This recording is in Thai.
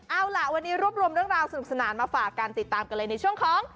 เอาล่ะวันนี้รวบรวมเรื่องราวสนุกสนานมาฝากกันติดตามกันเลยในช่วงของ